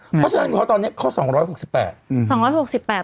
เพราะฉะนั้นเขาตอนเนี้ยเขาสองร้อยหกสิบแปดอืมสองร้อยหกสิบแปด